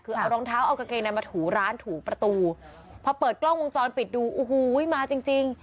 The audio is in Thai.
คือเอารองเท้าเอากางเกงในมาถูร้านถูประตูพอเปิดกล้องวงจรปิดดูโอ้โหมาจริงจริง